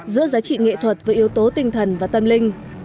giữa giá trị nghệ thuật với yếu tố tinh thần và tâm linh